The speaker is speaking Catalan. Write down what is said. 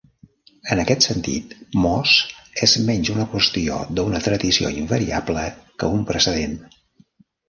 En aquest sentit, "mos" és menys una qüestió d'una tradició invariable que un precedent.